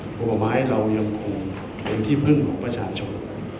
ผลไม้เรายังคงเป็นที่พึ่งของประชาชน